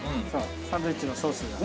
サンドイッチのソースが。